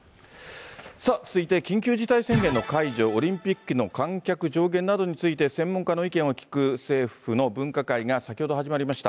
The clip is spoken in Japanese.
さあ続いて、緊急事態宣言の解除、オリンピックの観客上限などについて、専門家の意見を聞く、政府の分科会が先ほど始まりました。